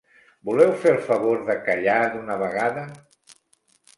Voleu fer el favor de callar d'una vegada?